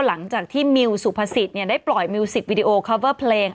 หลังจากที่มิวสุภาษิตได้ปล่อยมิวสิกวิดีโอคอเวอร์เพลง